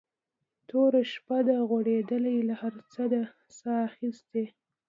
توره شپه ده غوړېدلې له هر څه ده ساه ختلې